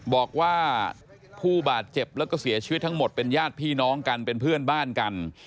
บอกว่าผู้บาดเจ็บแล้วก็เสียชีวิตทั้งหมดเป็นญาติพี่น้องกันเป็นเพื่อนบ้านกัน